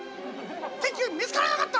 結局見つからなかった！